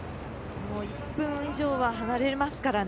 １分以上は離れますからね。